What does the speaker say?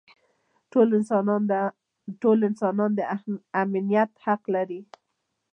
ټول انسانان د امنیت حق لري.